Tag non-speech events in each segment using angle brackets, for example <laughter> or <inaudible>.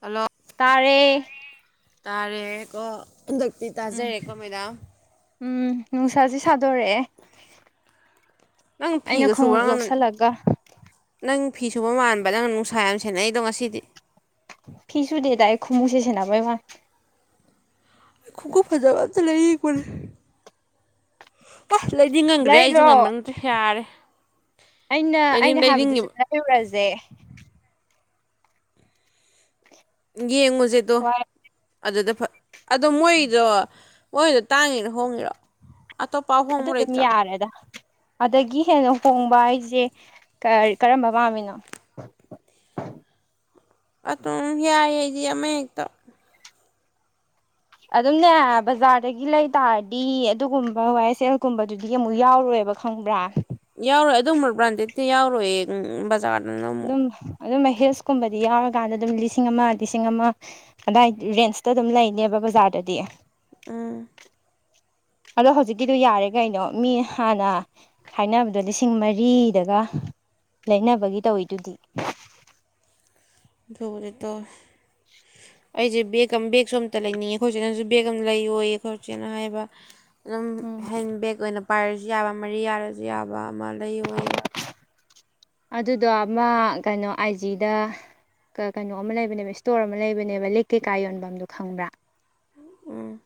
hello ꯇꯥꯔꯦ ꯇꯥꯔꯦꯀꯣ ꯍꯟꯗꯛꯇꯤ ꯎꯝ ꯇꯥꯖꯔꯦꯀꯣ ꯃꯦꯗꯥꯝ ꯎꯝ ꯅꯨꯡꯁꯥꯥꯖꯤ ꯁꯥꯗꯣꯔꯛꯑꯦ ꯅꯪ ꯑꯩꯅ ꯐꯤꯒ ꯁꯨꯕ꯭ꯔꯣ ꯈꯣꯡꯎꯞ <unintelligible> ꯂꯧꯁꯜꯂꯒ ꯅꯪ ꯐꯤ ꯁꯨꯕ ꯃꯥꯟꯕ ꯅꯪꯅ ꯅꯨꯡꯁꯥ ꯌꯥꯝ ꯁꯦꯟꯅꯩꯗꯣ ꯉꯁꯤꯗꯤ ꯐꯤ ꯁꯨꯗꯦꯗ ꯑꯩ ꯈꯨꯃꯨꯛꯁꯦ ꯁꯦꯟꯅꯕꯩ ꯋꯥꯅꯦ ꯈꯨꯃꯨꯛ ꯐꯖꯕ ꯑꯝꯇ ꯂꯩꯅꯤꯡꯕꯅꯦ ꯑ ꯂꯩꯅꯤꯡꯃꯟꯒ꯭ꯔꯦ ꯑꯩꯖꯨ ꯂꯩꯔꯣ ꯉꯝꯃꯟ ꯒ꯭ꯔꯦ ꯌꯥꯔꯦ ꯑꯩꯅ ꯂꯩꯅꯤꯡ ꯑꯩꯅ ꯂꯩꯅꯤꯡꯉꯤꯕ ꯍꯥꯏꯕꯗꯨꯖꯨ ꯂꯩꯔꯨꯔꯖꯦ ꯌꯦꯡꯉꯨꯖꯦ ꯑꯗꯣ ꯍꯣꯏ ꯑꯗꯨꯗ ꯐ ꯑꯗꯣ ꯃꯣꯏꯗꯣ ꯃꯣꯏꯗꯣ ꯇꯥꯡꯉꯤꯔ ꯍꯣꯡꯉꯤꯔꯣ ꯑꯇꯣꯞꯄ ꯑꯍꯣ ꯑꯗꯨ ꯑꯗꯨꯝ ꯌꯥꯔꯦꯗ ꯑꯗꯒꯤ ꯍꯦꯟꯅ ꯍꯣꯡꯕ ꯍꯥꯏꯖꯦ ꯀꯔꯤ ꯀꯔꯝꯕ ꯄꯥꯝꯃꯤꯅꯣ ꯑꯗꯨꯝ ꯌꯥꯏꯌꯦ ꯑꯩꯗꯤ ꯑꯃꯍꯦꯛꯇ ꯑꯗꯨꯝꯅꯦ ꯕꯖꯥꯔꯗꯒꯤ ꯂꯩ ꯇꯥꯔꯗꯤ ꯑꯗꯨꯒꯨꯝꯕ ꯋꯥꯏ ꯁꯦꯜ ꯑꯦꯜ ꯒꯨꯝꯕꯗꯨꯗꯤ ꯑꯃꯨꯛ ꯌꯥꯎꯔꯣꯏꯕ ꯈꯪꯕ꯭ꯔꯥ ꯌꯥꯎꯔꯣꯏ ꯑꯗꯨꯝꯕ ꯕ꯭ꯔꯥꯟꯗꯦꯠꯇꯤ ꯌꯥꯎꯔꯣꯏꯌꯦ ꯎꯝ ꯕꯖꯥꯔꯗ ꯑꯗꯨꯝ ꯑꯗꯨꯝꯕ ꯍꯤꯜꯁꯀꯨꯝꯕꯗꯤ ꯌꯥꯎꯔꯀꯥꯟꯗ ꯑꯗꯨꯝ ꯂꯤꯁꯤꯡ ꯑꯃ ꯂꯤꯁꯤꯡ ꯑꯃ ꯑꯗꯥꯏ ꯔꯦꯟꯁꯇ ꯑꯗꯨꯝ ꯂꯩꯅꯦꯕ ꯕꯖꯥꯔꯗꯗꯤ ꯎꯝ ꯑꯗꯣ ꯍꯧꯖꯤꯛꯀꯤꯗꯣ ꯌꯥꯔꯦ ꯀꯩꯅꯣ ꯃꯤ ꯍꯥꯟꯅ ꯍꯥꯏꯅꯕꯗꯣ ꯂꯤꯁꯤꯡ ꯃꯔꯤꯗꯒ ꯂꯩꯅꯕꯒꯤ ꯇꯧꯋꯤꯗꯨꯗꯤ ꯑꯗꯨꯕꯨꯗꯤ ꯇꯧꯋꯦ ꯑꯩꯖꯩ ꯕꯦꯛ ꯑꯃ ꯕꯦꯒꯁꯨ ꯑꯃꯝꯇ ꯂꯩꯅꯤꯡꯉꯤ ꯑꯈꯣꯏꯆꯦꯅꯁꯨ ꯕꯦꯒ ꯑꯃ ꯂꯩꯌꯣꯏꯌꯦ ꯑꯈꯣꯏꯆꯦꯅ ꯍꯥꯏꯕ ꯑꯗꯨꯝ ꯎꯝ ꯍꯦꯟ ꯕꯦꯛ ꯑꯣꯏꯅ ꯄꯥꯏꯔꯁꯨ ꯌꯥꯕ ꯃꯔꯤ ꯌꯥꯔꯁꯨ ꯌꯥꯕ ꯑꯃ ꯂꯩꯌꫭꯌꯦ ꯑꯗꯨꯗꯣ ꯑꯃ ꯀꯩꯅꯣ ꯑꯥꯏ ꯖꯤꯗ ꯀ ꯀꯩꯅꯣ ꯑꯃ ꯂꯩꯕꯅꯦꯕ ꯏꯁꯇꯣꯔ ꯑꯃ ꯂꯩꯕꯅꯦꯕ ꯂꯤꯛ ꯀꯩꯀꯥ ꯌꯣꯟꯕꯝ ꯗꯣ ꯈꯪꯕ꯭ꯔꯥ ꯎꯝ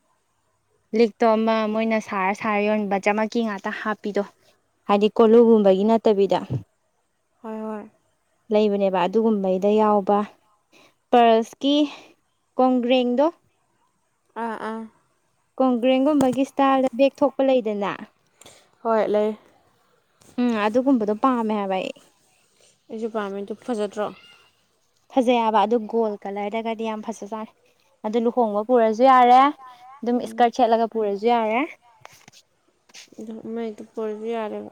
ꯂꯤꯛꯇꯣ ꯑꯃ ꯃꯣꯏꯅ ꯁꯥꯔ ꯁꯥꯔ ꯌꯣꯟꯕ ꯖꯃꯀꯤ ꯉꯥꯛꯇ ꯍꯥꯞꯄꯤꯗꯣ ꯍꯥꯏꯗꯤ ꯀꯣꯂꯨꯒꯨꯝꯕꯒꯤ ꯅꯠꯇꯕꯤꯗ ꯍꫭꯏ ꯍꫭꯏ ꯂꯩꯕꯅꯦꯕ ꯑꯗꯨꯒꯨꯝꯕꯩꯗ ꯌꯥꯎꯕ ꯄ꯭ꯔꯟꯁꯀꯤ ꯀꯣꯡꯒ꯭ꯔꯦꯡꯗꯣ ꯑꯥ ꯑꯥ ꯀꯣꯡꯒ꯭ꯔꯦꯡꯒꯨꯝꯕꯒꯤ ꯏꯁꯇꯥꯏꯜꯗ ꯕꯦꯛ ꯊꯣꯛꯄ ꯂꯩꯗꯅ ꯍꯣꯏ ꯂꯩ ꯎꯝ ꯑꯗꯨꯒꯨꯝꯕꯗꯣ ꯄꯥꯝꯃꯦ ꯍꯥꯏꯕ ꯑꯩ ꯑꯩꯖꯨ ꯄꯥꯝꯃ‌ꯦ ꯗꯨ ꯐꯖꯗ꯭ꯔꯣ ꯐꯖꯩ ꯍꯥꯏꯕ ꯑꯗꯨ ꯒꯣꯜ ꯀꯂꯔꯗꯒꯗꯤ ꯌꯥꯝ ꯐꯖꯥꯖꯥꯠꯅꯤ ꯑꯗꯨ ꯂꯨꯍꯣꯡꯕ ꯄꯨꯔꯖꯨ ꯌꯥꯔꯦ ꯗꯨꯝ ꯏꯁꯀꯔꯠ ꯁꯦꯠꯂꯒ ꯄꯨꯔꯖꯨ ꯌꯥꯎꯔꯦ ꯑꯗꯨ ꯑꯃ ꯍ‌ꯦꯛꯇ ꯄꯨꯔꯖꯨ ꯌꯥꯔꯦꯕ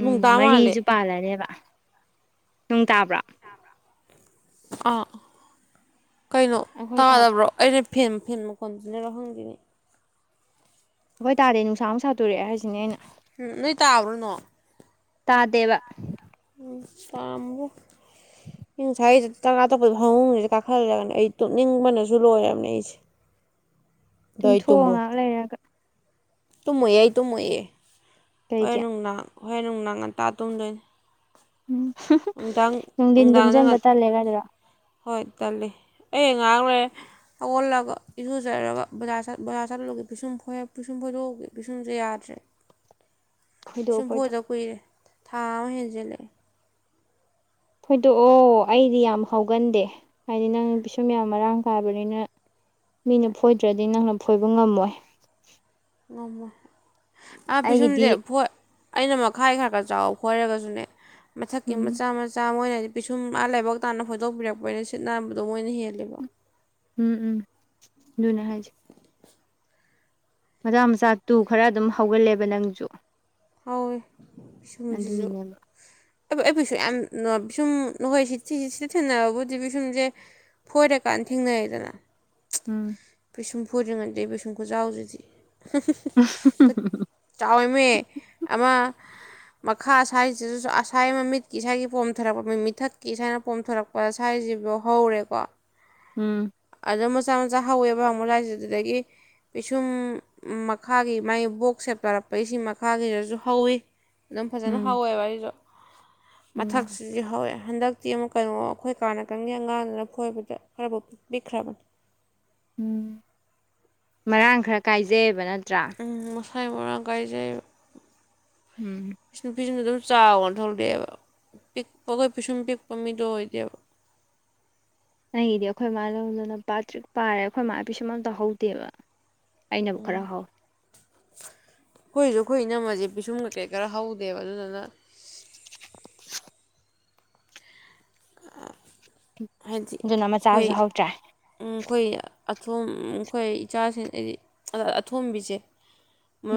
ꯎꯝ ꯅꯣꯡ ꯇꯥ ꯃꯥꯜꯂꯦ ꯃꯔꯤꯖꯨ ꯄꯥꯜꯂꯅꯦꯕ ꯅꯨꯡ ꯇꯥꯕ꯭ꯔꯣ ꯑꯥ ꯀꯩꯅꯣ ꯑꯩꯈꯣꯏ ꯇꯥꯗꯦ ꯇꯥꯗꯕ꯭ꯔꯣ ꯑꯩꯗꯤ ꯐꯦꯟ ꯐꯦꯟ ꯃꯈꯣꯟꯖꯤꯅꯔ ꯈꯪꯗ‌ꯦꯅ‌ꯦ ꯍꯣꯏ ꯇꯥꯗ‌ꯦ ꯅꯨꯡꯁꯥ ꯑꯃꫭꯛ ꯁꯥꯗꫭꯔꯛꯑꯦ ꯍꯥꯏꯁꯤꯅꯦ ꯑꯩꯅ ꯎꯝ ꯅꯣꯏ ꯇꯥꯕ꯭ꯔꯣ ꯅꫭꯡ ꯇꯥꯗ‌ꯦꯕ <unintelligible> ꯑꯪ ꯉꯁꯥꯏ ꯆꯥꯛ ꯆꯥ ꯇꫭꯛꯄꯩ ꯐꯃꯨꯡꯁꯤꯗ ꯀꯥꯈꯠꯂꯒꯅ‌ꯦ ꯑꯩ ꯇꯨꯝꯅꯤꯡꯕꯅꯁꯨ ꯂꯣꯏꯔꯝꯅꯦ ꯑꯩꯁꯦ <unintelligible> ꯑꯗꯣ ꯑꯩ ꯇꯨꯝꯊꫭꯡꯑꫭ ꯉꯥꯛ ꯂꯩꯔꯒ ꯇꯨꯝꯃꫭꯏꯑꯦ ꯑꯩ ꯇꯨꯝꯃꫭꯏꯑꯦ ꯀꯩꯒꯤ ꯍꯣꯔ‌ꯦꯟ ꯅꯨꯡꯗꯥꯡ ꯍꯣꯔ‌ꯦꯟ ꯅꯨꯡꯗꯥꯡ ꯉꯟꯇꯥ ꯇꯨꯝꯗꯣꯏꯅꯤ ꯎꯝ ꯅꯨꯡꯊꯤꯟ ꯇꯨꯝꯁꯤꯟꯕ ꯉꯟ ꯇꯜꯂꯦꯒꯗꯨꯔꯣ ꯍꯣꯏ ꯇꯜꯂꯤ ꯑꯩ ꯉꯥꯛ ꯂꯩꯔ ꯍꯧꯒꯠꯂꯒ ꯏꯁꯨꯖꯔꯒ ꯕꯖꯥꯔ ꯕꯖꯥꯔ ꯆꯠꯂꯨꯒꯦ ꯄꯤꯁꯨꯝ ꯄꯤꯁꯨꯝ ꯐꯣꯏꯗꯣꯛꯎꯒꯦ ꯄꯤꯁꯨꯝꯁꯨꯦ ꯌꯥꯗ꯭ꯔꯦ ꯐꯣꯏꯗꯣꯛꯑꯣ ꯐꯣꯏꯗꯣꯛꯑꯣ ꯄꯤꯁꯨꯝꯐꫭꯏꯗ ꯀꯨꯏꯔꯦ ꯊꯥ ꯑꯃ ꯍꯦꯟꯖꯜꯂꯛꯑꯦ ꯐꫭꯏꯗꯣꯛꯑꯣ ꯑꯩꯗꯤ ꯌꯥꯝ ꯍꯥꯎꯒꯟꯗꯦ ꯍꯥꯏꯗꯤ ꯅꯪ ꯄꯤꯁꯨꯝ ꯌꯥꯝ ꯃꯔꯥꯡ ꯀꯥꯏꯕꯅꯤꯅ ꯃꯤꯅ ꯐꯣꯏꯗ꯭ꯔꯗꯤ ꯅꯪꯅ ꯐꯣꯏꯕ ꯉꯝꯃꯣꯏ ꯉꯝꯃꯣꯏ ꯑꯥ ꯄꯤꯁꯨꯝꯁꯦ ꯑꯩꯒꯤꯗꯤ ꯐꫭꯏ ꯑꯩꯅ ꯃꯈꯥꯏ ꯈꯔ ꯈꯔ ꯆꯥꯎꯕ ꯈꯣꯏꯔꯒꯁꯨꯅꯦ ꯃꯊꯛꯀꯤ ꯎꯝ ꯃꯆꯥ ꯃꯆꯥ ꯃꯣꯏꯅꯗꯤ ꯄꯤꯁꯨꯝ ꯑꯥ ꯂꯥꯏꯕꯛ ꯇꯥꯅ ꯐꯣꯏꯗꯣꯛꯄꯤꯔꯛꯄꯅ ꯁꯤꯠ ꯅꯥꯟꯕꯗꯣ ꯃꯣꯏꯅ ꯍꯦꯜꯂꯦꯕ ꯎꯝ ꯎꯝ ꯗꯨꯅ‌ꯦ ꯍꯥꯏꯁ‌ꯦ ꯃꯆꯥ ꯃꯆꯥ ꯇꯨ ꯈꯔ ꯑꯗꯨꯝ ꯍꯧꯒꯜꯂꯦꯕ ꯅꯪꯁꯨ ꯍꯥꯎꯋꯤ ꯄꯤꯁꯨꯝꯁꯤꯁꯨ ꯑꯗꯨꯒꯤꯅꯦꯕ ꯑꯩ ꯑꯩ ꯄꯤꯁꯨꯝ ꯌꯥꯝꯅ ꯄꯤꯁꯨꯝ ꯅꯈꯣꯏ ꯁꯤ ꯁꯤꯗ ꯊꯦꯡꯅꯕꯕꯨꯗꯤ ꯄꯤꯁꯨꯝꯁꯦ ꯐꯣꯏꯔꯀꯥꯟꯗ ꯊꯦꯡꯅꯔ‌ꯦꯗꯅ ꯎꯝ ꯄꯁꯨꯝ ꯐꫭꯏ ꯗ꯭ꯔꯤ ꯉꯩꯗꯤ ꯑꯩ ꯄꯤꯁꯨꯝ ꯈꯨ ꯆꯥꯎꯁꯤꯗꯤ ꯆꯥꯎꯑ‌ꯦꯃꯤ ꯑꯃ ꯃꯈꯥ ꯑꯁꯥꯏꯁꯤꯗꯁꯨ ꯑꯁꯥꯏ ꯑꯃ ꯃꯤꯠꯀꯤ ꯏꯁꯥꯒꯤ ꯄꯣꯝꯊꯔꯛꯄ ꯃꯤ ꯃꯤꯊꯛꯀꯤ ꯑꯁꯥꯏꯅ ꯄꯣꯝꯊꯔꯛꯄ ꯄꯁꯥꯏꯁꯤꯕꯨꯎ ꯍꯧꯔꯦꯀꯣ ꯎꯝ ꯑꯗꯣ ꯃꯆꯥ ꯃꯆꯥ ꯍꯧꯋꯦꯕ ꯑꯃꯨꯛ ꯂꯥꯏꯁꯦ ꯑꯗꯨꯗꯒꯤ ꯄꯤꯁꯨꯝ ꯃꯈꯥꯒꯤ ꯃꯥꯏ ꯕꯣꯛ ꯁꯦꯞ ꯇꯥꯔꯛꯄꯒꯤꯁꯤ ꯃꯈꯥꯒꯤꯗꯁꯨ ꯍꯧꯋꯤ ꯑꯗꯨꯝ ꯐꯖꯅ ꯎꯝ ꯍꯥꯎꯋꯦꯕ ꯑꯩꯁꯨ ꯎꯝ ꯃꯊꯛꯁꯤ ꯗꯤ ꯍꯧꯋꯦ ꯍꯟꯗꯛꯇꯤ ꯑꯃꯨꯛ ꯀꯩꯅꯣ ꯑꯩꯈꯣꯏ ꯀꯥ ꯅꯀꯟꯒꯤ ꯑꯉꯥꯡꯗꯨꯅ ꯐꯣꯏꯕꯗ ꯈꯔꯕꯨ ꯄꯤꯛꯈ꯭ꯔꯕꯅꯤ ꯎꯝ ꯃꯔꯥꯡ ꯈꯔ ꯀꯥꯏꯖꯩꯌꯦꯕ ꯅꯠꯇ꯭ꯔꯥ ꯎꯝ ꯃꯁꯥꯏ ꯃꯔꯥꯡ ꯀꯥꯏꯖꯩꯕ ꯎꯝ ꯄꯤꯁꯨꯝꯖꯨ ꯗꯨꯝ ꯆꯥꯎꯅ ꯊꯣꯛꯂꯦꯕ ꯄꯤꯛꯄ ꯑꯩꯈꯣꯏ ꯄꯤꯁꯨꯝ ꯄꯤꯛꯄ ꯃꯤꯗꯣ ꯑꯣꯏꯗꯦꯕ ꯑꯩꯒꯤꯗꯤ ꯑꯩꯈꯣꯏ ꯃꯥ ꯂꯧꯗꯅ ꯄꯥꯠꯇ꯭ꯔꯤꯛ ꯄꯥꯔꯦ ꯑꯩꯈꯣꯏ ꯃꯥ ꯄꯤꯁꯨꯝ ꯑꯝꯇ ꯍꯧꯗꯦꯕ ꯑꯩꯅꯕꯨ ꯈꯔ ꯍꯧ ꯈꯣꯏꯁꯨ ꯑꯩꯈꯣꯏ ꯏꯅꯝꯃꯖꯦ ꯄꯤꯁꯨꯝ ꯀꯩꯀꯩ ꯈꯔ ꯍꯧꯗꯦꯕ ꯑꯗꯨꯗꯨꯅ ꯍꯥꯏꯗꯤ ꯑꯗꯨꯅ ꯃꯆꯥꯁꯨ ꯑꯩꯈꯣꯏ ꯍꯧꯗ꯭ꯔꯦ ꯎꯝ ꯑꯩꯈꯣꯏ ꯑꯊꯣꯝ ꯈꯣꯏ ꯏꯆꯥꯁꯤꯡ ꯍꯥꯏꯗꯤ ꯑꯊꯣꯝꯕꯤꯁꯦ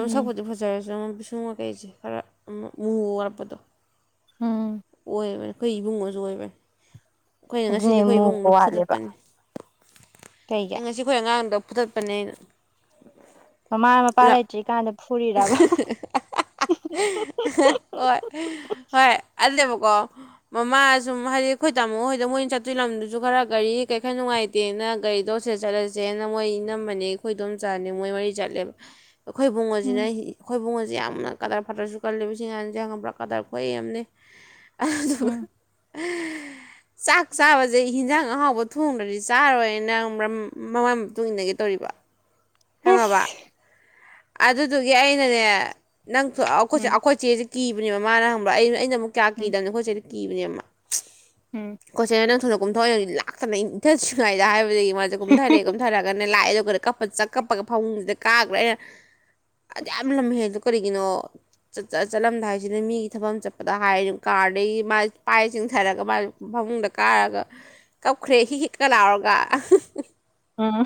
ꯎꯝ ꯐꯖꯔꯁꯨ ꯄꯤꯁꯨꯝ ꯀꯀꯩꯁꯦ ꯈꯔ ꯃ ꯃꯨꯨꯕ ꯋꯥꯠꯄꯗꯣ ꯎꯝ ꯑꯣꯏꯕꯅꯤ ꯑꯩꯈꯣꯏ ꯏꯕꯨꯡꯉꯣꯁꯨ ꯑꯣꯏꯕꯅꯦ ꯑꯩꯈꯣꯏꯅ ꯉꯁꯤꯗꯤ ꯑꯗꯨꯅꯦ ꯑꯩꯈꯣꯏ ꯃꯨꯕ ꯏꯕꯨꯡꯉꯣꯗꯣ ꯋꯥꯠꯂꯦꯕ ꯐꯨꯗꯠꯄꯅꯤ ꯀꯩꯒꯤ ꯑꯩ ꯉꯁꯤ ꯑꯩꯈꯣꯏ ꯑꯉꯥꯡꯗꯣ ꯐꯨꯗꯠꯄꯅꯦ ꯑꯩꯅ ꯃꯃꯥ ꯃꯄꯥ ꯂ ꯂꯩꯇ꯭ꯔꯤ ꯀꯥꯟꯗ ꯐꯨꯔꯤꯔꯕ ꯍꯣꯏ ꯍꯣꯏ ꯑꯜꯂ‌ꯦꯕꯀꯣ ꯃꯃꯥ ꯁꯨꯝ ꯍꯥꯏꯗꯤ ꯑꯩꯈꯣꯏ ꯇꯥꯃꯣ ꯍꯣꯏꯗ‌ꯣ ꯃꯣꯏꯅ ꯆꯠꯇꯣꯏ ꯂꯝꯗꯨꯁꯨ ꯈꯔ ꯒꯥꯔꯤ ꯀꯩ ꯈꯔ ꯅꯨꯡꯉꯥꯏ ꯇꯦꯅ ꯒꯥꯔꯤꯗꯣ ꯁ‌ꯦ ꯆꯠꯂꯁꯦꯅ ꯃꯣꯏ ꯏꯅꯝꯃꯅꯦ ꯑꯩꯈꯣꯏꯗꯣꯝꯆꯥꯅꯦ ꯃꯣꯏ ꯃꯔꯤ ꯆꯠꯂꯦꯕ ꯑꯩꯈꯣꯏ ꯕꯨꯡꯉꯣ ꯖꯤꯅ ꯎꯝ ꯍꯤ ꯑꯩꯈꯣꯏꯕꯨꯡꯉꯣꯖꯦ ꯌꯥꯝꯅ ꯀꯗꯔ ꯐꯥꯗ꯭ꯔꯁꯨ ꯀꯜꯂꯦꯕ ꯁꯤꯉꯥꯡꯖꯦ ꯈꯪꯕ꯭ꯔꯥ ꯀꯗꯔ ꯈꯨꯍꯩꯑꯝꯅꯦ ꯑꯗꯨꯒ ꯎꯝ ꯆꯥꯛ ꯆꯥꯕꯖꯦ ꯍꯤꯟꯖꯥꯡ ꯑꯍꯥꯎꯕ ꯊꯣꯡꯗ꯭ꯔꯗꯤ ꯆꯥꯔꯣꯏꯅ ꯈꯪꯕ꯭ꯔꯥ ꯃꯃꯥ ꯃꯇꯨꯡ ꯏꯟꯅꯒꯦ ꯇꯧꯔꯤꯕ ꯈꯪꯉꯕ ꯏꯁ ꯑꯗꯨꯗꯨꯒꯤ ꯑꯩꯅꯅꯦ ꯅꯪ ꯊꯣ ꯑꯈꯣꯏ ꯆꯦ ꯎꯝ ꯑꯈꯣꯏ ꯆꯦꯖꯦ ꯀꯤꯕꯅꯦ ꯃꯥꯅ ꯈꯪꯕ꯭ꯔꯥ ꯑꯩ ꯑꯩꯅ ꯑꯃꯨꯛ ꯀꯌꯥ ꯎꯝ ꯀꯤꯗꯝꯅꯦ ꯑꯩꯈꯣꯏꯆꯦꯗꯤ ꯀꯤꯕꯅꯦꯕ ꯃꯥ ꯎꯝ ꯈꯣꯏꯆꯦꯅ ꯅꯪ ꯊꯨꯅ ꯀꯨꯝꯊꯧ ꯑꯩꯟ ꯍꯨꯖꯤꯛ ꯂꯥꯛꯇꯅ ꯏꯟ ꯏꯟꯊꯗ꯭ꯔꯤꯉꯥꯏꯗ ꯍꯥꯏꯕꯗꯒꯤ ꯃꯥꯖꯦ ꯀꯨꯝꯊꯔꯦ ꯀꯨꯝ ꯊꯔꯒꯅ‌ꯦ ꯂꯥꯛꯑꯦ ꯑꯗꯨꯒ ꯀꯞꯄ ꯆ ꯀꯞꯄꯒ ꯐꯃꯨꯡꯁꯤꯗ ꯀꯥꯒ꯭ꯔꯦ ꯑꯩꯅ ꯑꯗꯌꯥꯝ ꯂꯝꯍꯦꯜꯂꯤꯗꯣ ꯀꯔꯤꯒꯤꯅꯣ ꯆꯠꯆ ꯆꯠꯂꯝꯗꯥꯏꯁꯤꯗ ꯃꯤꯒꯤ ꯊꯕꯛ ꯑꯝ ꯆꯠꯄꯗ ꯍꯥꯏꯔꯨ ꯀꯥꯔꯗꯒꯤ ꯃꯥꯥꯏ ꯄꯥꯏ ꯆꯤꯡꯊꯔꯒ ꯃꯥ ꯐꯃꯨꯡꯗ ꯀꯥꯔꯒ ꯀꯞꯈ꯭ꯔꯦ ꯍꯤꯛ ꯍꯤꯛꯀ ꯂꯥꯎꯔꯒ ꯎꯝ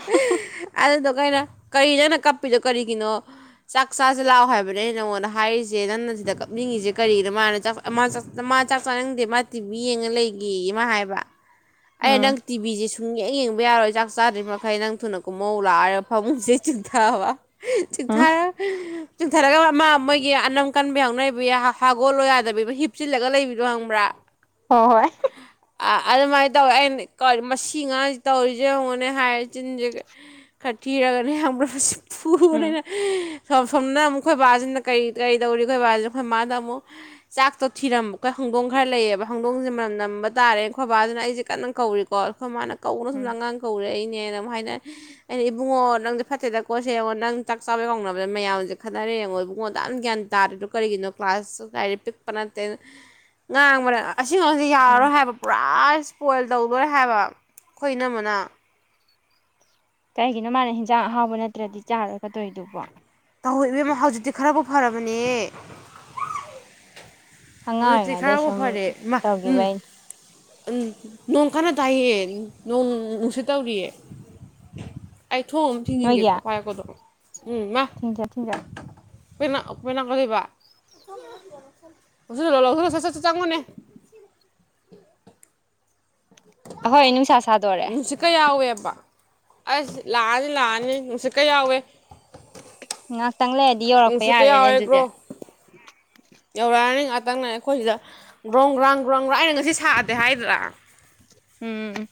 ꯑꯗꯨꯗꯨꯒ ꯑꯩꯅ ꯀꯩꯅꯣ ꯅꯪꯅ ꯀꯞꯄꯤꯗꯣ ꯀꯔꯤꯒꯤꯅꯣ ꯆꯥꯛ ꯆꯥꯁꯦ ꯂꯥꯎ ꯍꯥꯏꯕꯅꯦ ꯑꯩꯅ ꯅꯉꯣꯟꯗ ꯍꯥꯏꯔꯤꯖ‌ꯦ ꯅꯪꯅ ꯁꯤꯗ ꯀꯞꯅꯤꯡꯉꯤꯁꯦ ꯀꯔꯤꯒꯤꯅꯣ ꯃꯥꯅ ꯆꯥ ꯃꯥ ꯆ ꯃꯥ ꯆꯥꯛ ꯆꯥꯅꯤꯡꯗꯦ ꯃꯥ ꯇꯤꯚꯤ ꯌꯦꯡꯉ ꯂꯩꯒꯦꯌꯦ ꯃꯥ ꯍꯥꯏꯕ ꯑꯩꯅ ꯎꯝ ꯅꯪ ꯇꯤꯕꯤꯖꯦ ꯁꯨꯡꯌꯦꯡ ꯌꯦꯡꯕ ꯌꯥꯔꯣꯏ ꯆꯥꯛ ꯆꯥꯗ꯭ꯔꯤ ꯃꯈꯩ ꯅꯪ ꯊꯨꯅ ꯀꯨꯝꯍꯧ ꯂꯥꯎ ꯍꯥꯏꯔꯒ ꯐꯃꯨꯡꯁꯤꯗꯩ ꯆꯤꯡꯊꯕ ꯎꯝ ꯊꯥꯔ <unintelligible> ꯆꯤꯡꯊꯔꯒ ꯑꯃ ꯃꯣꯏꯒꯤ ꯑꯅꯝ ꯀꯟꯕꯩ ꯍꯧꯅꯕꯤ ꯍ ꯍꯥꯎꯒꯣꯠꯂꯣ ꯌꯥꯗꯕꯤ ꯑꯃ ꯍꯞꯆꯤꯜꯂꯒ ꯂꯩꯕꯤꯗꯣ ꯈꯪꯕ꯭ꯔꯥ ꯍꯣ ꯍꯣꯏ ꯑꯥ ꯑꯗꯨꯃꯥꯏꯅ ꯇꯧꯋꯦ ꯑꯩꯅ ꯀꯣ ꯃꯁꯤ ꯉꯥꯡꯖꯤ ꯇꯧꯔꯤꯖꯦ ꯌꯦꯡꯉꯣꯅꯦ ꯍꯥꯏꯔꯦ ꯆꯤꯟꯖꯤꯒ ꯈꯔ ꯊꯤꯔꯒꯅꯦ ꯈꯪꯕ꯭ꯔ ꯃꯁꯤ ꯐꯨꯕꯅꯦ ꯎꯝ ꯑꯩꯅ ꯁꯣꯝ ꯁꯣꯝꯅ ꯑꯃꯨꯛ ꯑꯩꯈꯣꯏ ꯕꯥꯖꯤꯅ ꯀꯩ ꯀꯔꯤ ꯇꯧꯔꯤ ꯑꯩꯈꯣꯏ ꯕꯥꯖꯤ ꯑꯩꯈꯣꯏ ꯃꯥꯗ ꯑꯃꯨꯛ ꯆꯥꯛꯇꯣ ꯊꯤꯔꯝꯕ ꯈ ꯍꯪꯗꯣꯡ ꯈꯔ ꯂꯩꯌꯦꯕ ꯍꯪꯗꯣꯡꯁꯦ ꯃꯅꯝ ꯅꯝꯕ ꯇꯥꯔꯦ ꯈꯣꯏ ꯕꯥꯖꯤꯅ ꯑꯩꯖꯦ ꯀꯟꯅ ꯀꯧꯔꯤ ꯀꯣ ꯈꯣꯏ ꯃꯥꯅ ꯀꯧꯅ ꯁꯨꯝꯗ ꯎꯝ ꯑꯉꯥꯡ ꯀꯧꯔꯛꯏꯅꯦꯅ ꯃꯨꯛ ꯍꯥꯏꯅ ꯑꯩꯅ ꯏꯕꯨꯡꯉꯣ ꯅꯪꯖ‌ꯦ ꯐꯠꯇꯦꯗꯀꯣꯁꯦ ꯌꯦꯡꯉꯣ ꯅꯪ ꯆꯥꯛ ꯆꯥꯕꯩ ꯀꯧꯅꯕꯗ ꯃꯌꯥꯝꯁꯦ ꯈꯠꯅꯔꯦ ꯌꯦꯡꯉꯣ ꯏꯕꯨꯡꯉꯣ ꯑꯗ꯭ꯌꯥꯝ ꯒ꯭ꯌꯥꯟ ꯇꯥꯗ꯭ꯔꯤꯗꯣ ꯀꯔꯤꯒꯤꯅꯣ ꯀ꯭ꯂꯥꯁ ꯇꯨꯒ ꯍꯥꯏꯔ ꯄꯤꯛꯄ ꯅꯠꯇꯦ ꯉꯥꯡꯕꯅ‌ꯦ ꯑꯁꯤꯉꯥꯡ ꯁꯤ ꯎꯝ ꯌꯥꯔꯔꯣꯏ ꯍꯥꯏꯕ ꯄꯨꯔꯥ ꯁ꯭ꯄꯣꯏꯜ ꯇꯧꯗꯣꯔꯦ ꯍꯥꯏꯕ ꯑꯩꯈꯣꯏ ꯏꯅꯝꯃꯅ ꯀꯩꯒꯤꯅꯣ ꯃꯥꯅ ꯍꯤꯟꯖꯥꯡ ꯑꯍꯥꯎꯕ ꯅꯠꯇ꯭ꯔꯗꯤ ꯆꯥꯔ‌ꯣꯏꯀ ꯇꯧꯏꯗꯨꯕꯨ ꯇꯧꯋ‌ꯦ ꯏꯕꯦꯝꯃ ꯍꯧꯖꯤꯛꯇꯤ ꯈꯔꯕꯨ ꯐꯔꯕꯅꯦ ꯑꯉꯥꯡ ꯍꯧꯖꯤꯛꯇꯤ ꯑꯣꯏꯔꯤꯉꯩꯗꯩ ꯈꯔꯕꯨ ꯁꯨꯝ ꯐꯔꯦ ꯏꯃꯥ ꯎꯝ ꯇꯧꯈꯤꯕꯩꯅꯦ ꯑ ꯅꯣꯡ ꯀꯥꯟꯅ ꯇꯥꯏꯌꯦ ꯑ ꯅꯣꯡ ꯅꯨꯡꯁꯤꯠ ꯇꯧꯔꯤꯌꯦ ꯑꯩ ꯊ‌ꯣꯡ ꯅꯣꯏꯒꯤ ꯊꯤꯡꯖꯤꯟꯒꯦꯀꯣ ꯄꯥꯏꯌ‌ꯣꯀꯣ ꯗꯨꯝ ꯎ ꯃꯥ ꯊꯤꯟꯖ ꯊꯤꯟꯖ <unintelligible> <unintelligible> ꯂꯧꯁꯤꯜꯂ‌ꯣ ꯂꯧꯁꯤꯜꯂ‌ꯣ ꯁ ꯁꯠ ꯆꯪꯉꯣꯅꯦ ꯑꯈ‌ꯣꯏ ꯅꯨꯡꯁꯥ ꯁꯥꯗꯣꯔ‌ꯦꯑꯦ ꯀ ꯌꯥꯎꯋꯦꯕ ꯑꯁ ꯂꯥꯛꯑꯅꯤ ꯂꯥꯛꯑꯅꯤ ꯅꯨꯡꯁꯤꯠꯀ ꯌꯥꯎꯋꯦ ꯉꯥꯛꯇꯪ ꯂꯩꯔꯗꯤ ꯌꯧꯔꯛꯄ ꯅꯨꯡꯁꯤꯠꯀ ꯌꯥꯔꯦꯅꯦ ꯌꯥꯎꯋꯦ ꯒ꯭ꯔꯣ ꯑꯗꯨꯗ‌ꯦ ꯌꯧꯔꯛꯑꯅꯤ ꯉꯥꯛꯇꯪꯅ ꯑꯩꯈꯣꯏꯁꯤꯗ ꯒ꯭ꯔꯣꯡ ꯒ꯭ꯔꯥꯎ ꯒ꯭ꯔꯥꯎꯣꯡ ꯒ꯭ꯔꯥꯎ ꯑꯩꯅ ꯉꯁꯤ ꯁꯥꯗꯦ ꯍꯥꯏꯗ꯭ꯔꯥ ꯎꯝ ꯎꯝ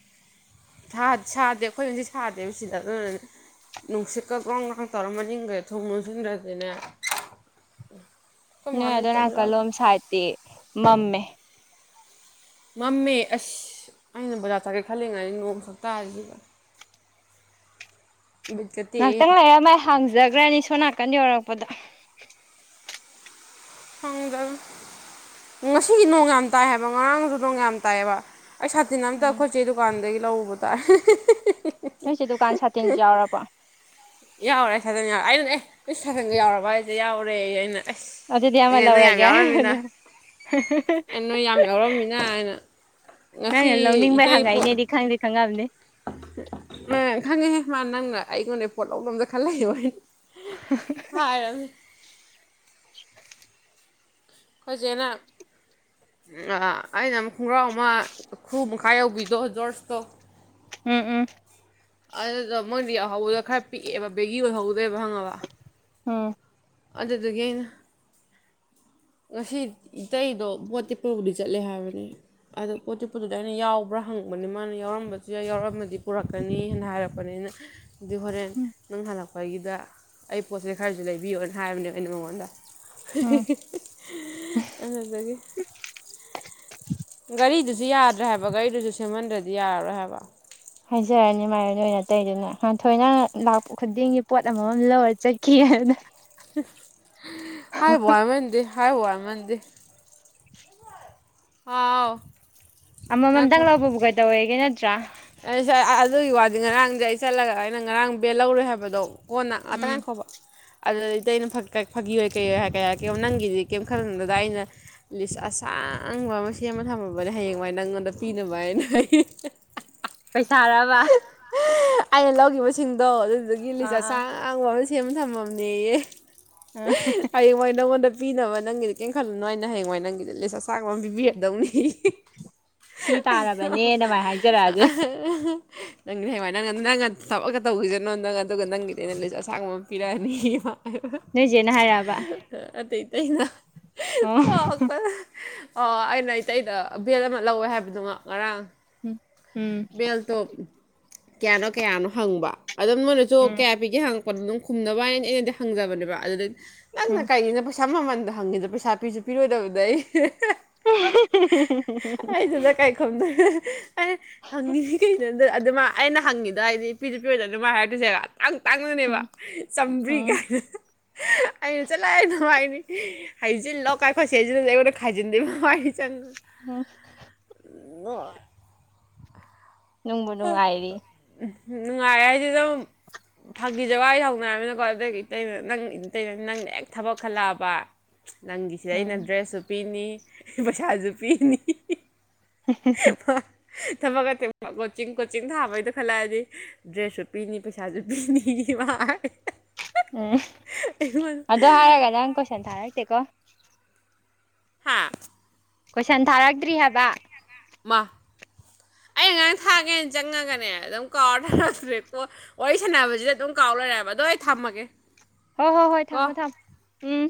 ꯁꯥꯗꯦ ꯁꯗꯦ ꯑꯩꯈꯣꯏ ꯍꯧꯖꯤꯛ ꯁꯥꯗꯦꯕ ꯁꯤꯗ ꯎꯝ ꯅꯨꯡꯁꯤꯠꯀ ꯒ꯭ꯔꯣꯡ ꯒ꯭ꯔꯥꯡ ꯇꯧꯔꯝ ꯃꯅꯤꯡꯈꯩ ꯊꯣꯡ ꯂꯨꯁꯤꯟꯗ꯭ꯔꯁꯤꯅꯦ ꯅꯣꯏ ꯑꯗꯣ ꯅꯥꯀꯜꯂꯣꯝ ꯁꯥꯏꯗꯠꯇꯤ ꯃꯝꯃꯦ ꯃꯝꯃꯦ ꯑꯁ ꯑꯩꯅ ꯕꯖꯥꯔ ꯆꯥꯀꯦ ꯈꯜꯂꯤꯉꯩꯗꯤ ꯅꯣꯡꯃꯁꯛ ꯇꯥꯔꯤꯁꯤꯕ ꯕꯤꯠꯀ ꯇꯦꯛꯑꯦ ꯉꯥꯏꯍꯥꯛꯇ ꯉꯥꯏꯔ ꯃ ꯑꯩ ꯍꯥꯡꯖꯈ꯭ꯔꯅꯤ ꯁꯣꯝ ꯅꯥꯀꯟ ꯌꯧꯔꯛꯄꯗꯣ ꯪ <unintelligible> ꯉꯁꯤꯗꯤ ꯅꯣꯡ ꯌꯥꯝ ꯇꯥꯏ ꯍꯥꯏꯕ ꯉꯔꯥꯡꯁꯨ ꯅꯣꯡ ꯌꯥꯝ ꯇꯥꯏꯑꯕ ꯑꯩ ꯁꯥ ꯁꯇꯤꯟ ꯑꯝꯇ ꯎꯝ ꯑꯩꯈꯣꯏ ꯆꯩ ꯗꯨꯀꯥꯟꯗꯒꯤ ꯂꯧꯔꯨꯕ ꯇꯥꯔꯦ ꯅꯣꯏ ꯆꯦ ꯗꯨꯀꯥꯟ ꯁꯥꯇꯤꯟꯁꯨ ꯌꯥꯎꯔꯕꯣ ꯌꯥꯎꯔꯦ ꯁꯥ ꯁꯪ ꯌꯥꯎꯔꯦ ꯑꯩꯅꯅꯦ ꯑꯦ ꯀ ꯁꯥꯇꯤꯟꯒ ꯌꯥꯎꯔꯕ ꯍꯥꯏꯁꯦ ꯌꯥꯎꯔꯦ ꯑꯩꯅ ꯑꯁ ꯑꯗꯨꯗꯤ ꯑꯃ ꯑꯩꯉꯩꯅ ꯌꯥꯝ ꯂꯧꯔꯒꯦ ꯌꯥꯎꯔꯝꯃꯤꯅ ꯑꯩ ꯅꯣꯏ ꯌꯥꯝ ꯌꯥꯎꯔꯝꯃꯤꯅ ꯑꯩꯅ ꯅꯪꯅ ꯂꯧꯅꯤꯡꯕꯩ ꯍꯪꯉꯛꯏꯅꯦꯗꯤ ꯈꯪꯗꯦ ꯈꯪꯉꯝꯅꯦ ꯑꯦ ꯈꯪꯉꯦꯍꯦ ꯃꯥ ꯅꯪꯅ ꯑꯩꯉꯣꯟꯗ ꯄꯣꯠ ꯂꯧꯕꯥꯝꯗ ꯈꯜ ꯂꯩꯌꯣꯍꯦ <unintelligible> ꯐꯥꯔꯝ ꯑꯈꯣꯏ ꯆꯦꯅ ꯑꯩꯅ ꯑꯃꯨꯛ ꯈꯣꯡꯒ꯭ꯔꯥꯎ ꯑꯃ ꯈꯨꯔ ꯃꯈꯥ ꯌꯧꯕꯤꯗꯣ ꯖꯣꯔꯁꯇꯣ ꯎꯝ ꯎꯝ ꯑꯗꯨꯗ ꯃꯣꯏꯗꯤ ꯌꯥꯎꯍꯧꯕꯗ ꯈꯔ ꯄꯤꯛꯑꯦꯕ ꯕꯦꯒꯤ ꯑꯣꯏꯍꯧꯗꯣꯏꯕ ꯈꯪꯉꯕ ꯎꯝ ꯑꯗꯨꯗꯨꯒꯤ ꯑꯩꯅ ꯉꯁꯤ ꯏꯇꯩꯗꯣ ꯄꯣꯇꯤ ꯄꯨꯔꯕꯨꯗꯤ ꯆꯠꯂꯦ ꯍꯥꯏꯕꯅꯦ ꯑꯗꯣ ꯄꯣꯠ ꯆꯤꯄꯠꯇꯨꯗ ꯑꯩꯅ ꯌꯥꯎꯕ꯭ꯔꯥ ꯍꯪꯕꯅꯤ ꯃꯥꯅ ꯌꯥꯎꯔꯝꯕꯁꯨ ꯌꯥ ꯌꯥꯎꯔꯝꯃꯗꯤ ꯄꯨꯔꯛꯀꯅꯤꯅ ꯍꯥꯏꯔꯛꯄ ꯑꯅꯤꯅ ꯑꯗꯨ ꯍꯣꯔꯦꯟ ꯎꯝ ꯅꯪ ꯍꯜꯂꯛꯄꯒꯤꯗ ꯑꯩ ꯄꯣꯠꯁꯤꯦ ꯈꯔꯁꯨ ꯂꯩꯕꯤꯌꯣꯅ ꯍꯥꯏꯕꯅꯦꯕ ꯑꯩꯅ ꯃꯉꯣꯟꯗ ꯎꯝ ꯑꯗꯨꯗꯒꯤ ꯒꯥꯔꯤꯗꯨꯁꯨ ꯌꯥꯗ꯭ꯔꯦ ꯍꯥꯏꯕ ꯒꯥꯔꯤꯗꯨꯁꯨ ꯁꯦꯝꯃꯟꯗ꯭ꯔꯗꯤ ꯌꯥꯔꯔꯣꯏ ꯍꯥꯏꯕ ꯍꯥꯏꯖꯔꯅꯤ ꯃꯥꯏꯌꯣꯟ ꯑꯣꯏꯅ ꯇꯩꯗꯨꯅꯥꯟ ꯊꯣꯏꯅ ꯂꯥꯛꯄ ꯈꯨꯗꯤꯡꯒꯤ ꯄꯣꯠ ꯑꯃꯃꯝ ꯂꯧꯔ ꯆꯠꯈꯤ ꯑꯗꯨꯅ ꯍꯥꯏꯕ ꯍꯥꯏꯃꯟꯗꯦ ꯍꯥꯏꯕ ꯍꯥꯏꯃꯟꯗꯤ ꯑꯥꯎ ꯑꯃꯃꯝꯇꯪ ꯂꯧꯕꯕꯨ ꯀꯩ ꯇꯧꯋꯦꯒꯦ ꯅꯠꯇ꯭ꯔꯥ ꯑꯩꯁꯥꯏ ꯑꯗꯨꯒꯤ ꯋꯥꯗꯤ ꯉꯔꯥꯡꯗꯤ ꯑꯩ ꯆꯠꯂꯒ ꯑꯩꯅ ꯉꯔꯥꯡ ꯕꯦꯠ ꯂꯧꯔꯣꯏ ꯍꯥꯏꯕꯗꯣ ꯀꯣꯟꯅ ꯎꯝ ꯉꯇꯉꯥꯏꯈꯣꯕ ꯑꯗꯨꯗ ꯑꯩꯗꯤ ꯑꯩꯅ ꯐꯥꯒꯤꯔꯣꯏ ꯀꯩꯔꯣꯏ ꯍꯥꯏ ꯀꯦ ꯍꯥꯏꯔ ꯀꯩ ꯅꯪꯒꯤꯗꯤ ꯀꯩꯝ ꯈꯟꯂꯨꯅꯨꯗꯥ ꯑꯩꯅ ꯂꯤꯁ ꯑꯁꯥꯡꯕ ꯑꯃ ꯁꯦꯝꯃ ꯊꯝꯃꯕꯅꯦ ꯍꯌꯦꯡ ꯃꯥꯏ ꯅꯪꯉꯣꯟꯗ ꯄꯤꯅꯕ ꯍꯥꯏꯅ ꯄꯩꯁꯥꯔꯕ ꯑꯩꯅ ꯂꯧꯈꯤꯕꯁꯤꯡꯗꯣ ꯑꯗꯨꯗꯒꯤ ꯂꯤꯁ ꯑꯥ ꯑꯁꯥꯡꯕ ꯑꯃ ꯁꯦꯝꯃ ꯊꯝꯃꯝꯅꯦꯌꯦ ꯑꯥ ꯍꯌꯦꯡꯋꯥꯏ ꯅꯥꯉꯣꯟ ꯗꯥ ꯄꯤꯅꯕ ꯅꯪꯒꯤꯗꯤ ꯀꯦꯝ ꯈꯜꯂꯨꯅꯨ ꯑꯩꯅ ꯍꯌꯦꯡꯋꯥꯏ ꯅꯪꯒꯤꯗꯤ ꯂꯤꯁ ꯑꯁꯥꯡꯕ ꯑꯃ ꯄꯤꯕꯤꯔꯗꯧꯅꯤ ꯁꯤ ꯇꯥꯔꯕꯅꯦ ꯃꯥꯏꯅ ꯍꯥꯏꯖꯔꯛꯑ ꯑꯗꯨ ꯑꯥ ꯅꯪꯗꯤ ꯍꯌꯦꯡꯋꯥꯏ ꯅꯪ ꯅꯪꯅ ꯊꯕꯛꯒ ꯇꯧꯕꯤꯁꯅꯣ ꯅꯪ ꯑꯗꯨꯒ ꯅꯪꯒꯤꯗꯤ ꯑꯩꯅ ꯂꯤꯁ ꯑꯁꯥꯡꯕ ꯑꯃ ꯄꯤꯔꯛꯑꯅꯤꯕ ꯅꯣꯏ ꯆꯦꯅ ꯍꯥꯏꯔꯛꯑꯕ ꯑꯇꯩ ꯇꯩꯩꯅ ꯑꯣ ꯅꯣꯛꯄꯗ ꯑꯣ ꯑꯩꯅ ꯏꯇꯩꯗ ꯚꯦꯜ ꯑꯃ ꯂꯧꯋꯦ ꯍꯥꯏꯕꯗꯣ ꯉꯔꯥꯡ ꯎꯝ ꯎꯝ ꯕꯦꯜꯇꯣ ꯀꯌꯥꯅꯣ ꯀꯌꯥꯅꯣ ꯍꯪꯕ ꯑꯗꯨꯝ ꯅꯣꯏꯅꯁꯨ ꯎꯝ ꯀꯌꯥ ꯄꯤꯒꯦ ꯍꯥꯡꯉꯛꯄꯗ ꯑꯗꯨꯝ ꯈꯨꯝꯅꯕ ꯍꯥꯏꯅ ꯑꯩꯅꯗꯤ ꯍꯪꯖꯕꯅꯦꯕ ꯑꯗꯨꯗ ꯅꯪꯅ ꯀꯥꯏꯒꯤꯅꯣ ꯄꯩ ꯁ ꯃꯃꯟꯗ ꯍꯪꯉꯤꯗ ꯄꯩꯁꯥ ꯄꯤꯁꯨ ꯄꯤꯔꯣꯏꯗꯕꯗꯌꯦ ꯑꯩ ꯗꯨꯗ ꯀꯩ ꯈꯨꯝꯗꯣꯏꯅꯣ ꯑꯩꯅ ꯍꯪꯉꯤꯅꯤ ꯀꯩꯅꯣ ꯑꯗꯨ ꯑꯗꯨꯃ ꯑꯩꯅ ꯍꯪꯉꯤꯗꯣ ꯍꯥꯏꯗꯤ ꯄꯤ ꯄꯤꯔꯣꯏꯗꯝꯅꯤꯅ ꯃꯥꯅ ꯍꯥꯏꯗꯣꯏꯁꯦ ꯇꯥꯡ ꯇꯥꯡꯅꯅꯦꯕ ꯆꯝꯕ꯭ꯔꯤ ꯎꯝ ꯒꯥꯏꯅ ꯑꯩꯅ ꯆꯠꯂꯣꯍꯦ ꯗꯨꯝ ꯍꯥꯏꯅꯤ ꯍꯥꯏꯖꯤꯟꯂꯣꯀ ꯈꯣꯏꯆꯦ ꯖꯤꯅꯅꯦ ꯑꯩꯉꯣꯟꯗ ꯈꯥꯏꯖꯟꯗꯣꯏꯕ ꯃꯥꯒꯤ ꯆꯪ ꯎꯝ <unintelligible> ꯅꯨꯡꯕꯨ ꯅꯨꯡꯉꯥꯏꯔꯤꯌꯦ ꯎꯝ ꯅꯨꯡꯉꯥꯏꯔꯦ ꯍꯥꯏꯗꯤ ꯑꯗꯨꯝ ꯐꯥꯒꯤ ꯖꯣꯒꯥꯏ ꯍꯧꯅꯔꯅꯤꯅꯀꯣ ꯑꯗꯨꯒꯤ ꯏꯇꯩꯅ ꯅꯪ ꯏꯇꯩꯅ ꯅꯪ ꯍꯦꯛ ꯊꯕꯛ ꯈꯜꯂꯛꯑꯕ ꯅꯪꯒꯤꯁꯤꯗ ꯑꯩꯅ ꯎꯝ ꯗ꯭ꯔꯦꯁꯁꯨ ꯄꯤꯅꯤ ꯄꯩꯁꯥꯖꯨ ꯄꯤꯅꯤ <unintelligible> ꯊꯕꯛ ꯅꯠꯇꯦꯕ ꯀꯣꯆꯤꯡ ꯀꯣꯆꯤꯡ ꯊꯥꯕꯩꯗꯣ ꯈꯜꯂꯛꯑꯗꯤ ꯗ꯭ꯔꯦꯁꯁꯨ ꯄꯤꯅꯤ ꯄꯩꯁꯥꯖꯨ ꯄꯤꯅꯤꯌꯦ ꯃꯥ ꯍꯥꯏ ꯎꯝ ꯑꯗꯣ ꯍꯥꯏꯔꯒ ꯅꯪ ꯀꯣꯏꯁꯟ ꯊꯥꯔꯛꯇꯦꯀꯣ ꯍꯥꯥ ꯀꯣꯏꯁꯟ ꯊꯥꯔꯛꯇ꯭ꯔꯤ ꯍꯥꯏꯕ ꯃꯥ ꯑꯩꯅ ꯉꯔꯥꯡ ꯊꯥꯒꯦꯅ ꯆꯪꯉꯒꯅꯦ ꯑꯗꯨꯝ ꯀꯥꯎꯔ ꯊꯔꯛꯇꯔꯦ ꯄꯣꯠ ꯋꯥꯔꯤ ꯁꯥꯟꯅꯕꯖꯤꯗ ꯑꯗꯨꯝ ꯀꯥꯎ ꯂꯩꯔꯦ ꯍꯥꯏꯕ ꯑꯗꯣ ꯑꯩ ꯊꯝꯃꯒꯦ ꯍꯣ ꯍꯣ ꯍꯣꯏ ꯀꯣ ꯊꯝꯃꯣ ꯊꯝꯃꯣ ꯎꯝ